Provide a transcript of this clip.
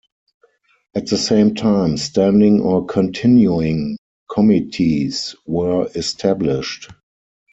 At the same time, standing or continuing committees were established.